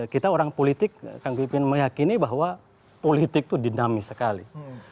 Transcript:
kita orang politik kang pipin meyakini bahwa politik itu dinamis sekali